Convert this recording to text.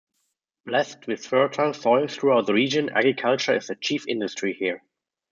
Blessed with fertile soil throughout the region, agriculture is a chief industry here.